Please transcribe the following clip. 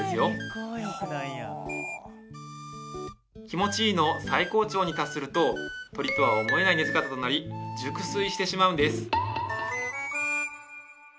気持ちいいの最高潮に達すると鳥とは思えない寝姿となり熟睡してしまうんです